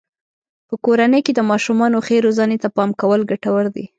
په کورنۍ کې د ماشومانو ښې روزنې ته پام کول ګټور دی.